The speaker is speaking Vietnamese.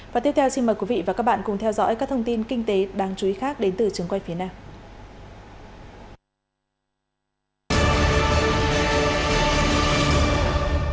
và tiếp theo xin mời quý vị và các bạn cùng theo dõi các thông tin kinh tế đáng chú ý khác đến từ trường quay phía nam